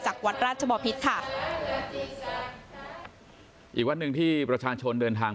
วัดราชบอพิษค่ะอีกวัดหนึ่งที่ประชาชนเดินทาง